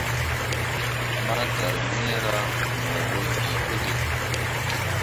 Ma darmeera no bo iŋ puli.